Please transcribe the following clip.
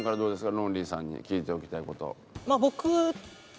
ロンリーさんに聞いておきたい事。